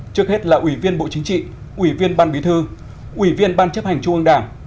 trước hết là ủy viên bộ chính trị ủy viên ban bí thư ủy viên ban chấp hành trung ương đảng